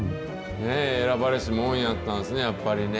選ばれしもんやったんですね、やっぱりね。